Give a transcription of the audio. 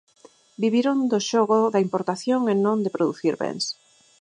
Viviron do xogo da importación e non de producir bens.